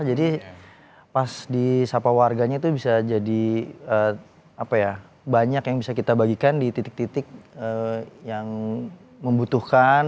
jadi pas di sapa warganya itu bisa jadi apa ya banyak yang bisa kita bagikan di titik titik yang membutuhkan